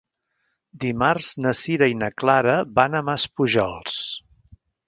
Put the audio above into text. Dimarts na Sira i na Clara van a Maspujols.